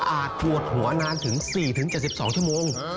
อาจปวดหัวนานถึง๔ถึง๗๒ชั่วโมง